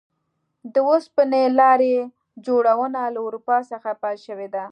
د اوسپنې لارې جوړونه له اروپا څخه پیل شوې ده.